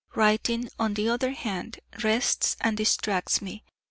Writing, on the other hand, rests and distracts me.